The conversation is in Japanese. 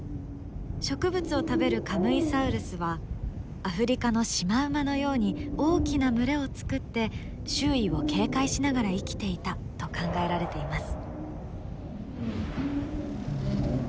植物を食べるカムイサウルスはアフリカのシマウマのように大きな群れを作って周囲を警戒しながら生きていたと考えられています。